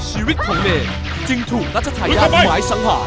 ชีวิตของเนรจึงถูกรัชทายาทหลายสังหา